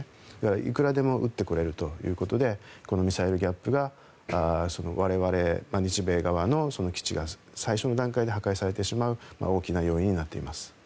いくらでも撃ってこれるということでミサイルギャップが我々、日米側の基地が最初の段階で破壊されてしまう大きな要因になっています。